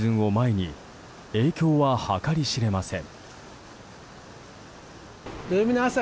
観光シーズンを前に影響は計り知れません。